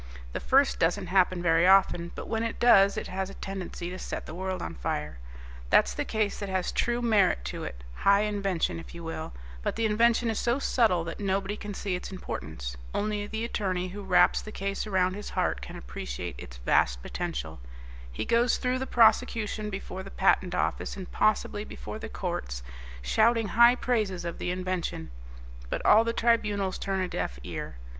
The first doesn't happen very often, but when it does it has a tendency to set the world on fire. That's the case that has true merit to it high invention, if you will but the invention is so subtle that nobody can see its importance. Only the attorney who wraps the case around his heart can appreciate its vast potential. He goes through the prosecution before the Patent Office and possibly before the courts shouting high praises of the invention, but all the tribunals turn a deaf ear.